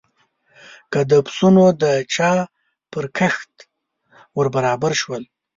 که د پسونو د چا پر کښت ور برابر شول.